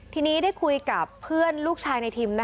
ทีนี้ได้คุยกับเพื่อนลูกชายในทิม